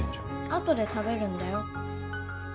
あとで食べるんだよ。